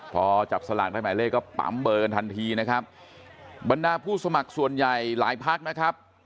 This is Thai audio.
พอจับสลากได้หมายเลขก็ปั๊มเบอร์กันทันทีนะครับบรรดาผู้สมัครส่วนใหญ่หลายพักนะครับ